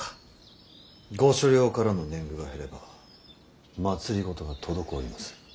御所領からの年貢が減れば政が滞ります。